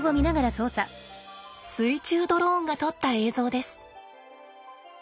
水中ドローンが撮った映像です。